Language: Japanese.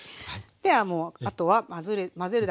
ではもうあとは混ぜるだけです。